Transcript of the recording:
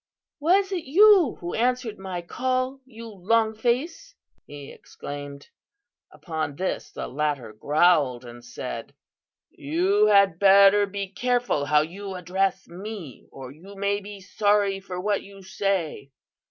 "'Was it you who answered my call, you longface?' he exclaimed. "Upon this the latter growled and said: "'You had better be careful how you address me, or you may be sorry for what you say!